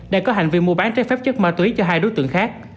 đang có hành vi mua bán trái phép chất ma túy cho hai đối tượng khác